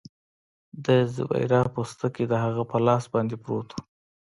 د زیبرا پوستکی د هغه په لاس باندې پروت و